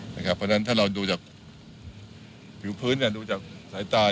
เพราะฉะนั้นถ้าเราดูจากผิวพื้นดูจากสายตา